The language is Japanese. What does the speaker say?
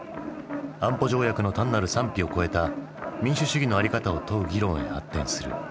安保条約の単なる賛否を超えた民主主義の在り方を問う議論へ発展する。